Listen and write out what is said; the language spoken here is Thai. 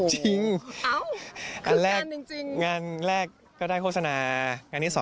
จริงอะโห